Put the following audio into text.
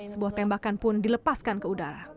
sebuah tembakan pun dilepaskan ke udara